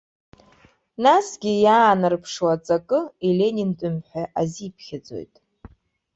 Насгьы иаанарԥшуа аҵакы иленинтәым ҳәа азиԥхьаӡоит.